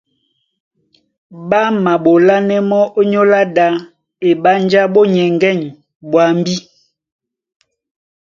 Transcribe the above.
Ɓá maɓolánɛ́ mɔ́ ónyólá ɗā, eɓánjá ɓó nyɛŋgɛ̂ny ɓwambí.